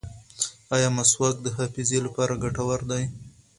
ایا مسواک د حافظې لپاره ګټور دی؟